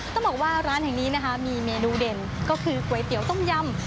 ต้องบอกว่าร้านแห่งนี้นะคะมีเมนูเด่นก็คือก๋วยเตี๋ยวต้มยำ